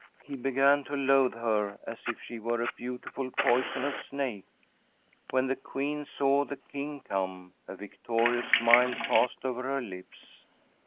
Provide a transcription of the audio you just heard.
He began to loathe her as if she win^e a beautiful poisonous snake. WTien the Queen saw the King come a vic torious smile passed over her lips.